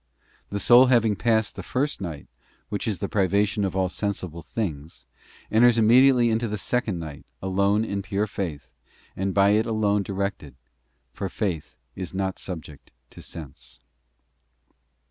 The soul having passed the first night, which is the privation of all sensible things, enters immediately into the second night, alone in pure faith, and by it alone directed: for faith is not subject to sense.